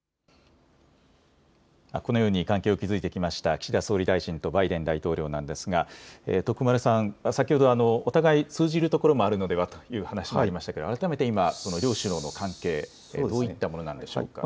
このように関係を築いてきました岸田総理大臣とバイデン大統領なんですが徳丸さん、先ほどお互い通じるところもあるのではという話もありましたが改めて今、両首脳の関係、どういったものなんでしょうか。